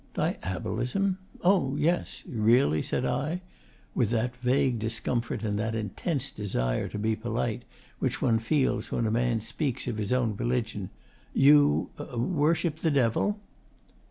'Diabolism? Oh yes? Really?' said I, with that vague discomfort and that intense desire to be polite which one feels when a man speaks of his own religion. 'You worship the Devil?